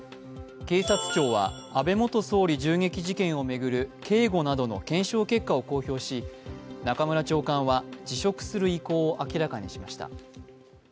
警察庁は安倍元総理銃撃事件を巡る警護などの検証結果を公表し、中村長官は辞職する意向を明らかにしました。